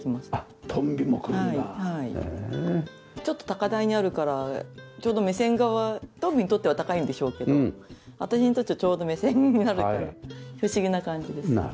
ちょっと高台にあるからちょうど目線がトンビにとっては高いんでしょうけど私にとってはちょうど目線になるから不思議な感じです。